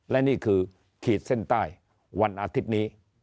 และนี่คือขีดเส้นใต้วันอาทิตย์นี้